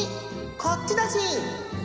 こっちだしん！